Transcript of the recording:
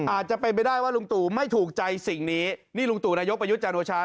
อาจจะเป็นไปได้ว่าลุงตู่ไม่ถูกใจสิ่งนี้นี่ลุงตู่นายกประยุทธ์จันโอชา